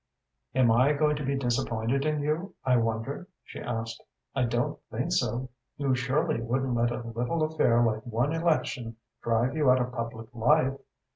"Am I going to be disappointed in you, I wonder?" she asked. "I don't think so. You surely wouldn't let a little affair like one election drive you out of public life?